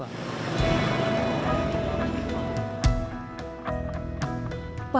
yang menikmati siapa